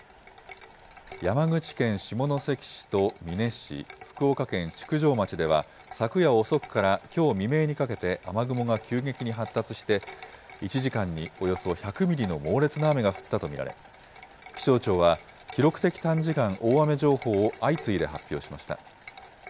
山口県下関市と美祢市、福岡県築上町では、昨夜遅くから、きょう未明にかけて、雨雲が急激に発達して、１時間におよそ１００ミリの猛烈な雨が降ったと見られ、気象庁は記録的短時間大雨情報を相次いで発表しました。